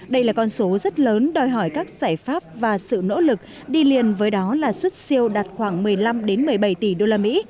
đây là con số rất lớn đòi hỏi các giải pháp và sự nỗ lực đi liền với đó là xuất siêu đạt khoảng một mươi năm một mươi bảy tỷ đô la mỹ